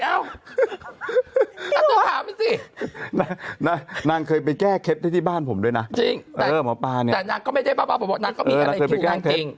เอาเอาตัวถามนี่สินางเคยไปแก้เท็บเททที่บ้านผมด้วยนะจริงอ้อมาว่าปลานี่แต่นางก็ไม่ได้เปล่าผมบอกนางก็มีอะไรธิวนางจริง